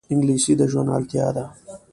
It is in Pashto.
انګلیسي د ژوند اړتیا ده